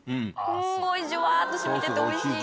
すごいジュワっと染みてておいしい！